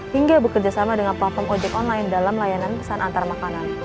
hingga bekerjasama dengan platform ojek online dalam layanan pesan antar makanan